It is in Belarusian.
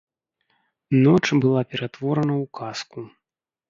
Ноч была ператворана ў казку.